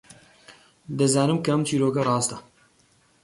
دەزانم کە ئەم چیرۆکە ڕاستە.